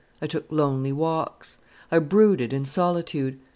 I took lonely walks. I brooded in solitude.